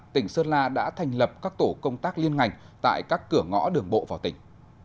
tỉnh sơn la đã thành lập các tổ công tác liên ngành tại các cửa ngõ đường bộ vào tỉnh